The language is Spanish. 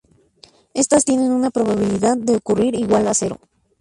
Estas tienen una probabilidad de ocurrir igual a cero.